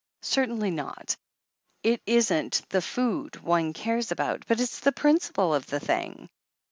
"Certainly not. It isn't the food one cares about, but it's the principle of the thing."